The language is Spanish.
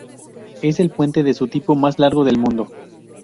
Es el puente de su tipo más largo del mundo.